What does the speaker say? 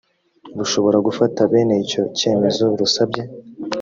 rushobora gufata bene icyo cyemezo rusabye